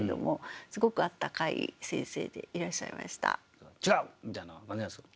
もちろん「違う！」みたいな感じなんですか？